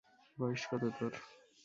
বয়স কত তোর?